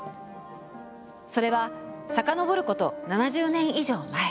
それは遡ること７０年以上前。